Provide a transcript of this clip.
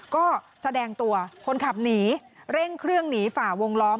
ก็แสดงตัวคนขับหนีเร่งเครื่องหนีฝ่าวงล้อม